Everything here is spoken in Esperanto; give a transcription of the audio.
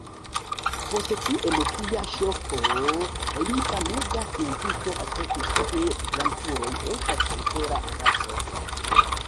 Post tiu emocia ŝoko li famega sciencisto asertis, ke blankuloj estas supera raso.